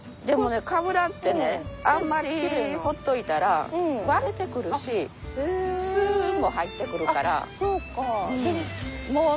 でもねかぶらってねあんまりほっといたら割れてくるしスも入ってくるから。